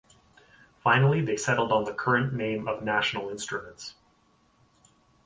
Finally, they settled on the current name of National Instruments.